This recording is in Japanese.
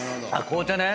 紅茶ね。